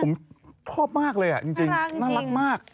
ผมชอบมากเลยจริงน่ารักมาก